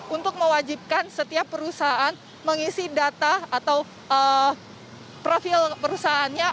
untuk mewajibkan setiap perusahaan mengisi data atau profil perusahaannya